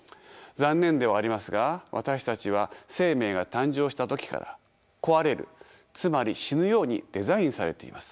残念ではありますが私たちは生命が誕生した時から壊れるつまり死ぬようにデザインされています。